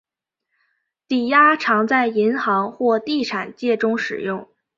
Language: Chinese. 抵押常在银行或地产界中使用。